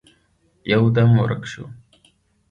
يودم ورک شو.